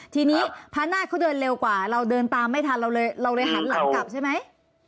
ทีนี้พระนาฏเขาเดินเร็วกว่าเราเดินตามไม่ทันเราเลยเราเลยหันหลังกลับใช่ไหม